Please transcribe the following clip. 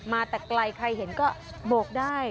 มาแต่ไกลใครเห็นก็โบกได้